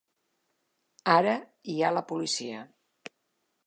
Ara hi ha la policia.